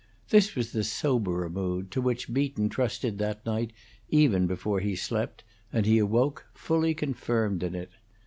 This was the soberer mood to which Beaton trusted that night even before he slept, and he awoke fully confirmed in it.